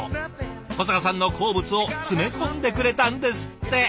小坂さんの好物を詰め込んでくれたんですって。